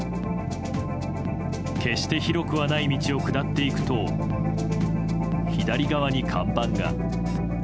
決して広くはない道を下っていくと左側に看板が。